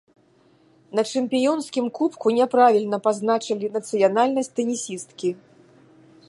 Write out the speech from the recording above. На чэмпіёнскім кубку няправільна пазначылі нацыянальнасць тэнісісткі.